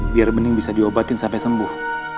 biar bening bisa diobatin sampai sembuh